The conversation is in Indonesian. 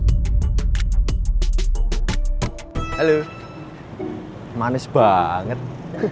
apa etis ya kalau aku nanya keberadaan pak raymond ke jojo